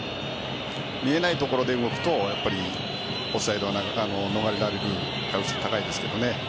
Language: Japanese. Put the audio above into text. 見えないところで動くとオフサイド逃れられる可能性高いですけどね。